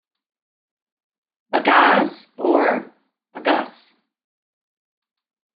"Ughaz" or "Ugas".